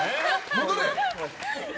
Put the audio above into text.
戻れ！